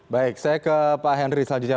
baik saya ke pak henry selanjutnya